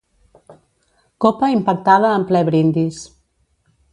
Copa impactada en ple brindis.